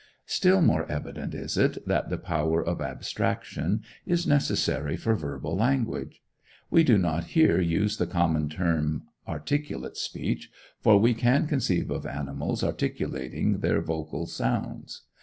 Still more evident is it that the power of abstraction is necessary for verbal language. We do not here use the common term "articulate speech," for we can conceive of animals articulating their vocal sounds.